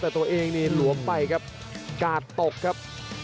แต่ตัวเองนี่หลวมไปครับกาดตกครับ